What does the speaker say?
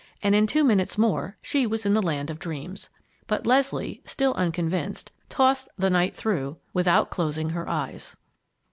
And in two minutes more she was in the land of dreams. But Leslie, still unconvinced, tossed the night through without closing her eyes.